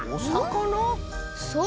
そう！